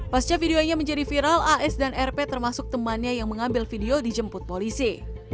pasca videonya menjadi viral as dan rp termasuk temannya yang mengambil video dijemput polisi